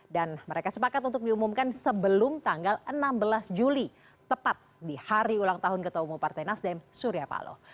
dan mereka sepakat untuk diumumkan sebelum tanggal enam belas juli tepat di hari ulang tahun ketua umum partai nasdem surya paloh